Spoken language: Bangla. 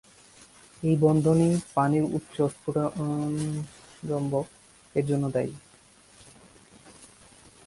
এই বন্ধন ই পানির উচ্চ স্ফুটনম্বরক এর জন্য দায়ী।